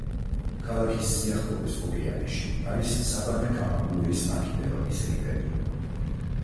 ქალაქის სიახლოვეს ოკეანეში, არის საბანა-კამაგუეის არქიპელაგის რიფები.